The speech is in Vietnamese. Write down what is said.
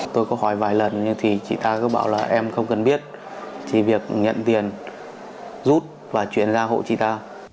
tôi có hỏi vài lần nhưng thì chị ta cứ bảo là em không cần biết chỉ việc nhận tiền rút và chuyển ra hộ chị ta